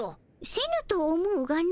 せぬと思うがの。